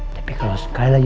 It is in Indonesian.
tapi kalau sekali lagi